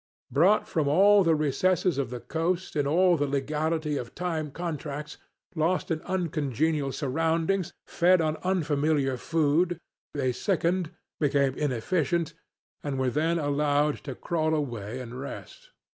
Brought from all the recesses of the coast in all the legality of time contracts, lost in uncongenial surroundings, fed on unfamiliar food, they sickened, became inefficient, and were then allowed to crawl away and rest.